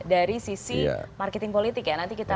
dari sisi marketing politik ya nanti kita